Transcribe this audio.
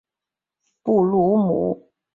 布鲁姆经常同时描绘毁坏与重建。